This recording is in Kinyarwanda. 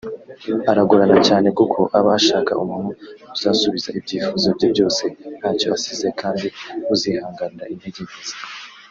aragorana cyane kuko aba ashaka umuntu uzasubiza ibyifuzo bye byose ntacyo asize kandi uzihanganira intege nke ze